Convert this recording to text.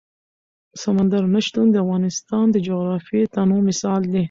سمندر نه شتون د افغانستان د جغرافیوي تنوع مثال دی.